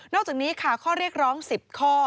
อกจากนี้ค่ะข้อเรียกร้อง๑๐ข้อ